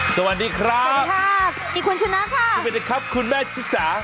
สวัสดีครับสวัสดีคุณชนะค่ะสวัสดีครับคุณแม่ชิสา